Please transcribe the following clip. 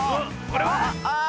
これは⁉あっ！